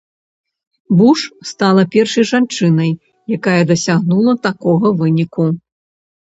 Буш стала першай жанчынай, якая дасягнула такога выніку.